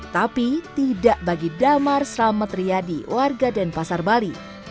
tapi tidak bagi damar srametriadi warga dan pasar bali